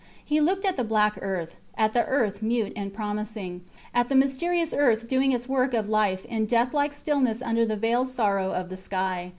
He looked at the black earth, at the earth mute and promising, at the mysterious earth doing its work of life in death like stillness under the veiled sorrow of the sky.